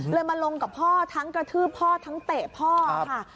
มาลงกับพ่อทั้งกระทืบพ่อทั้งเตะพ่อค่ะ